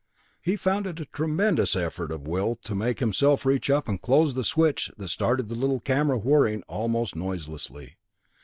He found it a tremendous effort of the will to make himself reach up and close the switch that started the little camera whirring almost noiselessly.